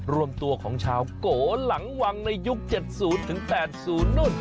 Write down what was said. รวมตัวของชาวโกหลังวังในยุค๗๐๘๐นู่น